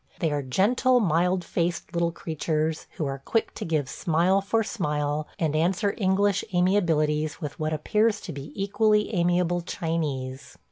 They are gentle, mild faced little creatures, who are quick to give smile for smile and answer English amiabilities with what appears to be equally amiable Chinese.